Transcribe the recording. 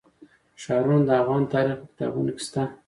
ښارونه د افغان تاریخ په کتابونو کې شته.